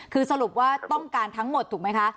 คือสรุปว่าต้องการทั้งหมดถูกไหมคะ